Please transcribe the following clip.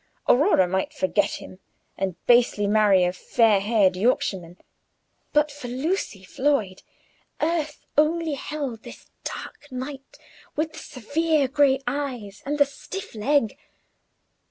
Aurora might forget him, and basely marry a fair haired Yorkshireman; but for Lucy Floyd, earth only held this dark knight, with the severe gray eyes and the stiff leg.